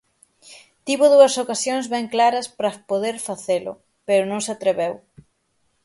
Tivo dúas ocasións ben claras pra poder facelo, pero non se atreveu.